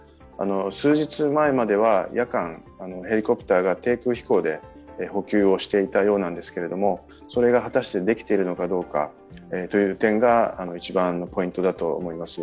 数日前までは夜間ヘリコプターが低空飛行で補給をしていたようなんですけど、それが果たしてできているのかどうかという点が一番のポイントだと思います。